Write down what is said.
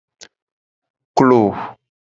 Klo.